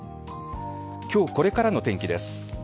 今日これからの天気です。